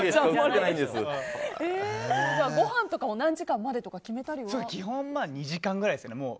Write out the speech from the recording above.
ご飯とかも何時間までとか基本２時間ぐらいですね。